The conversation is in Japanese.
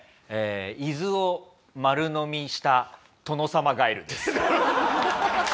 伊豆を丸呑みしたトノサマガエルです。